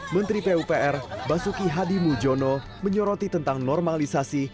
menteri pupr basuki hadi mujono menyoroti tentang normalisasi